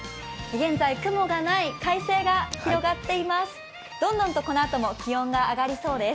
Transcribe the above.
現在、雲がない快晴が広がっています。